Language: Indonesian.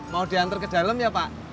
mau diantar ke dalam ya pak